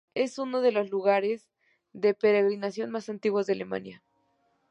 Es uno de los lugares de peregrinación más antiguos de Alemania.